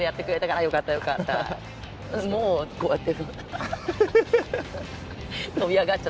もう、こうやって。